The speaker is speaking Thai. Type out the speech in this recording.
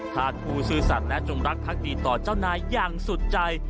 ธาตุผู้ซื่อสัตว์และจงรักพักดีต่อเจ้านายอย่างสุดใจ